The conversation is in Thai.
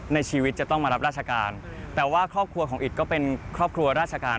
ในชีวิตจะต้องมารับราชการแต่ว่าครอบครัวของอิตก็เป็นครอบครัวราชการ